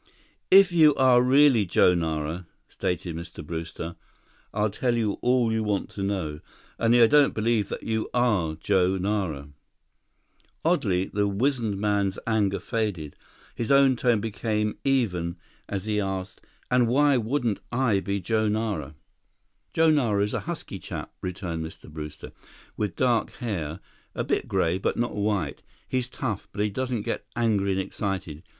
"If you are really Joe Nara," stated Mr. Brewster, "I'll tell you all you want to know. Only I don't believe that you are Joe Nara." Oddly, the wizened man's anger faded. His own tone became even as he asked, "And why wouldn't I be Joe Nara?" "Joe Nara is a husky chap," returned Mr. Brewster, "with dark hair, a bit gray, but not white. He's tough, but he doesn't get angry and excited.